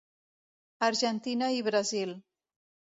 Argentina i Brasil.